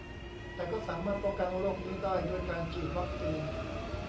แต่ก็สามารถป้องกันโรคนี้ได้ด้วยการฉีดวัคซีน